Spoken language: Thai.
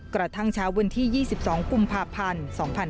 กระทั่งเช้าวันที่๒๒กุมภาพันธ์๒๕๕๙